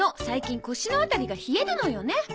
最近腰の辺りが冷えるのよね。